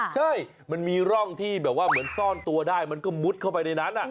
ใช่มันมีร่องที่แบบว่าเหมือนซ่อนตัวได้มันก็มุดเข้าไปในนั้น